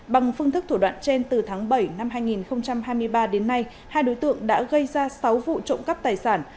bằng phương thức thủ đoạn trên từ tháng bảy năm hai nghìn hai mươi ba đến nay hai đối tượng đã gây ra sáu vụ trộm cắp tài sản